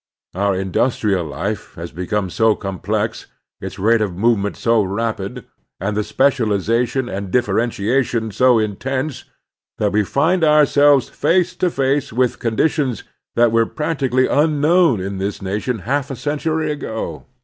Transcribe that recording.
Our industrial life has become so com plex, its rate of movement so very rapid, and the specialization and differentiation so intense that we find ourselves face to face with conditions that were practically tmknown in this nation half a Qcntury ago.